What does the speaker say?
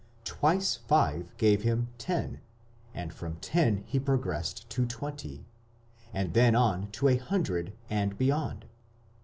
Twice five gave him ten, and from ten he progressed to twenty, and then on to a hundred and beyond.